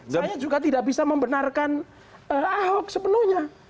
saya juga tidak bisa membenarkan ahok sepenuhnya